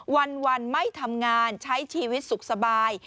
วันไม่ทำงานใช้ชีวิตสุขสบาย